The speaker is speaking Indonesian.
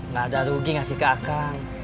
gak ada rugi ngasih ke kak kang